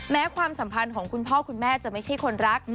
ความสัมพันธ์ของคุณพ่อคุณแม่จะไม่ใช่คนรัก